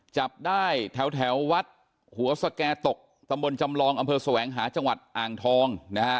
จับได้แถววัดหัวสแก่ตกตำบลจำลองอำเภอแสวงหาจังหวัดอ่างทองนะฮะ